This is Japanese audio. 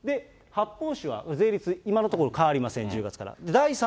で、発泡酒は今のところ変わりません、１０月から。